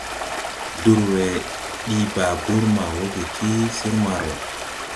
Durwe dii babur ma wooge ti sir Marua.